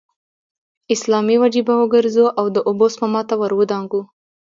اسلامي وجیبه وګرځو او د اوبو سپما ته ور ودانګو.